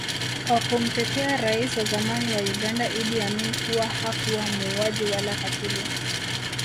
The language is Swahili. kwa kumtetea rais wa zamani wa Uganda Idi Amin kuwa hakuwa muuaji Wala katili